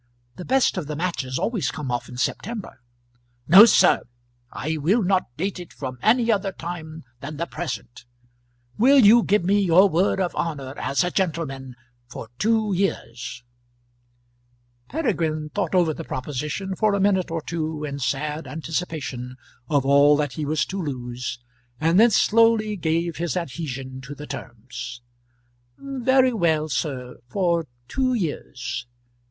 The best of the matches always come off in September." "No, sir; I will not date it from any other time than the present. Will you give me your word of honour as a gentleman, for two years?" Peregrine thought over the proposition for a minute or two in sad anticipation of all that he was to lose, and then slowly gave his adhesion to the terms. "Very well, sir; for two years."